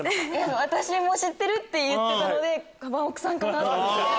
私も知ってるって言ってたのでワンオクさんかな？と思って。